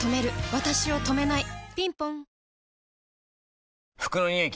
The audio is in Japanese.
わたしを止めないぴんぽん服のニオイ